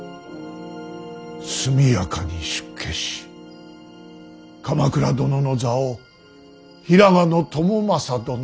速やかに出家し鎌倉殿の座を平賀朝雅殿に譲る。